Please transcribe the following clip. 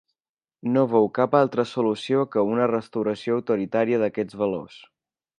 No veu cap altra solució que una restauració autoritària d'aquests valors.